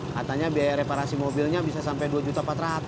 katanya biaya reparasi mobilnya bisa sampe dua empat juta